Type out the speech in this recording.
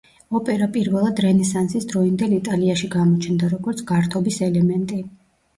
ოპერა პირველად რენესანსის დროინდელ იტალიაში გამოჩნდა, როგორც გართობის ელემენტი.